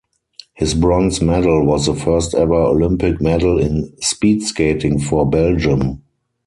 His bronze medal was the first ever Olympic medal in speed skating for Belgium.